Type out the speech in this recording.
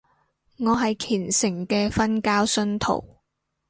我係虔誠嘅瞓覺信徒